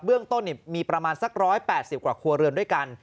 เรื่องต้นมีประมาณสัก๑๘๐กว่าครัวเรือนด้วยกัน